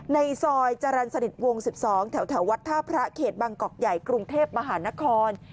ในซอยจรรย์สนิทวงศ์๑๒แถววัดท่าพระเขตบางกอกใหญ่กรุงเทพมหานคร